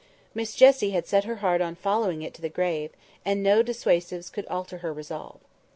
Miss Jessie had set her heart on following it to the grave; and no dissuasives could alter her resolve.